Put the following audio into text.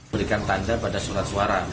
berikan tanda pada surat suara